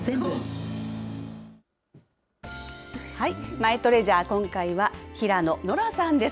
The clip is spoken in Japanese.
マイトレジャー、今回は平野ノラさんです。